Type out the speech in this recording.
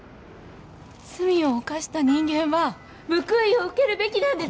罪を犯した人間は報いを受けるべきなんです